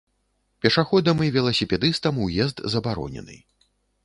Пешаходам і веласіпедыстам уезд забаронены.